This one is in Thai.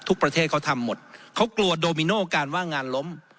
ประเทศเขาทำหมดเขากลัวโดมิโนการว่างงานล้ม